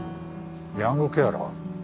ヤングケアラー？